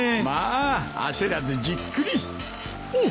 まあ焦らずじっくり。